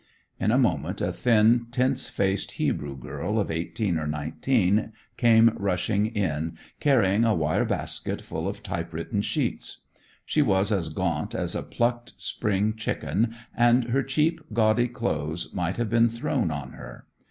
In a moment a thin, tense faced Hebrew girl of eighteen or nineteen came rushing in, carrying a wire basket full of typewritten sheets. She was as gaunt as a plucked spring chicken, and her cheap, gaudy clothes might have been thrown on her.